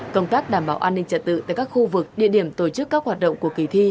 công tác đảm bảo an ninh trật tự tại các khu vực địa điểm tổ chức các hoạt động của kỳ thi